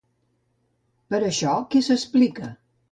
Per això, què s'explica?